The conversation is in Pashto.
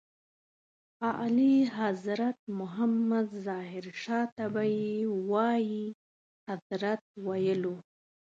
اعلیحضرت محمد ظاهر شاه ته به یې وایي اذرت ویلو.